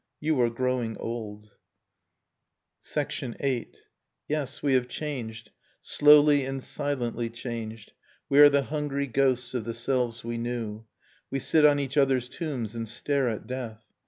You are growing old. Nocturne of Remembered Spring /) VIII. I Yes, we have changed, slowly and silently changed; ! We are the hungry ghosts of the selves we knew ; We sit on each other's tombs and stare at death.